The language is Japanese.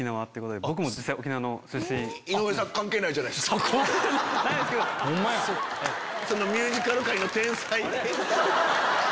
そこ⁉ミュージカル界の天才。